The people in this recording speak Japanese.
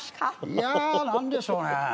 いや何でしょうね？